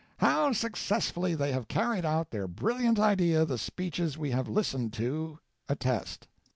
How successfully they have carried out their brilliant idea the speeches we have listened to attest.